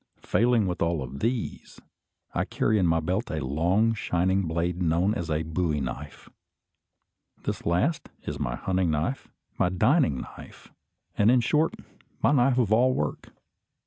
Failing with all these, I carry in my belt a long shining blade known as a "bowie knife." This last is my hunting knife, my dining knife, and, in short, my knife of all work.